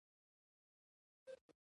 د روسي لښکرو چاپ شوي يادښتونه شاهد دي.